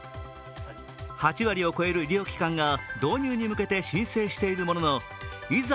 ８割を超える医療機関が導入に向けて申請しているもののいざ